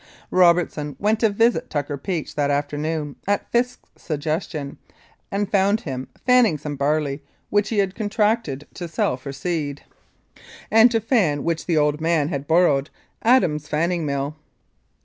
Robertson went to visit Tucker Peach that after noon, at Fisk's suggestion, and found him fanning some barley which he had contracted to sell for seed, 247 Mounted Police Life in Canada and to fan which the old man had borrowed Adams's fanning mill.